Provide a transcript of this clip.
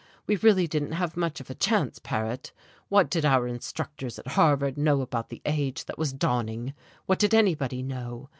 We really didn't have much of a chance, Paret. What did our instructors at Harvard know about the age that was dawning? what did anybody know?